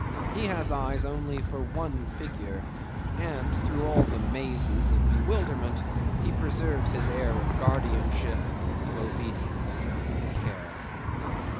He has eyes only for one figure, and through all the mazes of bewilderment he preserves his air of guardianship, of obedience, of care.